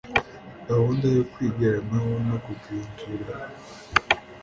gahunda yo kwigiranaho no kugenzurana